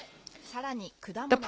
さらに果物も。